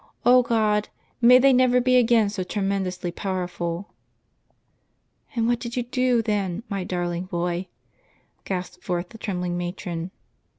0 God! may they never be again so tremendously powerful !" "And what did you do, then, my darling boy?" gasped forth the trembling matron.